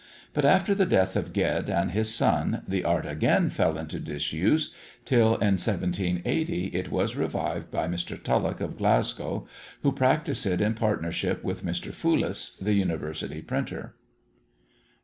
But after the death of Ged and his son, the art again fell into disuse, till in 1780 it was revived by Mr. Tulloch of Glasgow, who practised it in partnership with Mr. Foulis, the University printer.